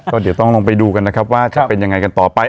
ก็เดี๋ยวต้องลงไปดูกันนะครับว่าจะเป็นยังไงกันต่อไป